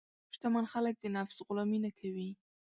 شتمن خلک د نفس غلامي نه کوي.